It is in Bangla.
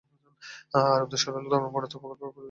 আরবদের সরলতা, অনাড়ম্বরতা প্রকটভাবে ফুটে উঠেছে তার গায়ে।